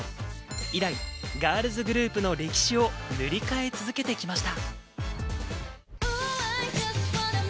以来、ガールズグループの歴史を塗り替え続けてきました。